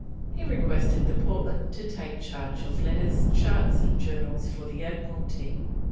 He requested the Portland to take charge of letters, charts, and journals for the Admiralty.